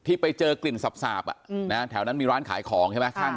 ที่ไปเจอกลิ่นสาปอ่ะอืมนะฮะแถวนั้นมีร้านขายของใช่ไหม